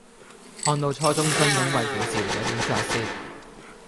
看到初中生懂圍棋時有點咋舌